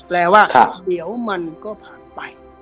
แปลว่าเดี๋ยวมันก็ผ่านไป